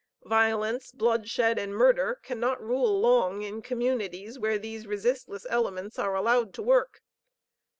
Violence, bloodshed, and murder cannot rule long in communities where these resistless elements are allowed to work.